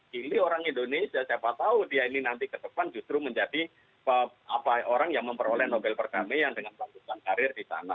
gili orang indonesia siapa tahu dia ini nanti ke depan justru menjadi orang yang memperoleh nobel perdamaian dengan melakukan karir di sana